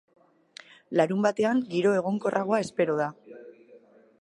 Larunbatean giro egonkorragoa espero da.